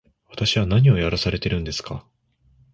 私は何をやらされているのですか